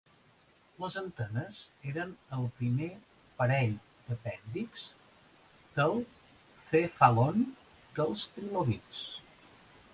Les antenes eren el primer parell d'apèndixs del cèfalon dels trilobits.